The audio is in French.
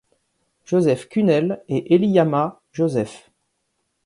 Joseph Kunnel et Eliyamma Joseph.